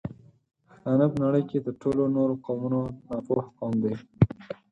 پښتانه په نړۍ کې تر ټولو نورو قومونو ناپوه قوم دی